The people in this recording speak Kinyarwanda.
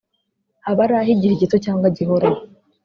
haba ari ah’igihe gito cyangwa gihoraho